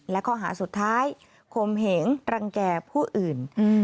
และข้อหาสุดท้ายคมเหงรังแก่ผู้อื่น